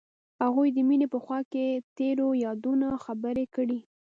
هغوی د مینه په خوا کې تیرو یادونو خبرې کړې.